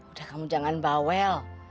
udah kamu jangan bawel